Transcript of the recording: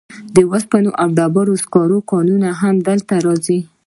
د اوسپنې او ډبرو سکرو کانونه هم دلته راځي.